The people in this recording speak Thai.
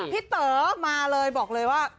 เต๋อมาเลยบอกเลยว่า